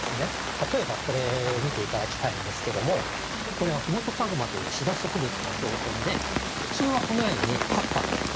例えばこれを見ていただきたいんですけどもこれはフモトカグマというシダ植物の標本で普通はこのように葉っぱの地上部の標本ですよね。